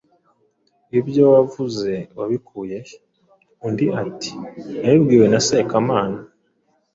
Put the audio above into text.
Ibyo wavuze wabikuye he ?” Undi ati ; “Nabibwiwe na Sekamana.”